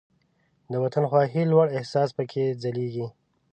د وطن خواهۍ لوړ احساس پکې ځلیږي.